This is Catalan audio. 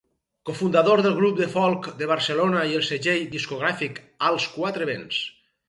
Cofundador del Grup de Folk de Barcelona i el segell discogràfic Als quatre vents.